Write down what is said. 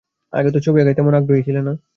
আগে তো ছবি আঁকায় তেমন আগ্রহী ছিলে না।